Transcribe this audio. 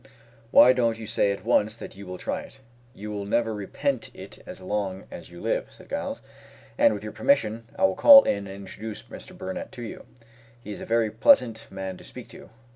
"Why don't you say at once that you will try it? You will never repent it as long as you live," said Giles; "and, with your permission, I will call in and introduce Mr. Burnett to you. He is a very pleasant man to speak to."